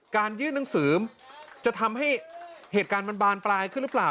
ยื่นหนังสือจะทำให้เหตุการณ์มันบานปลายขึ้นหรือเปล่า